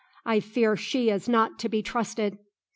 I fear she is not to be trusted."